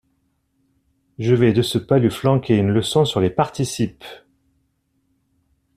Je vais de ce pas lui flanquer une leçon sur les participes !